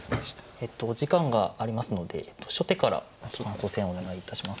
えっとお時間がありますので初手から感想戦をお願いいたします。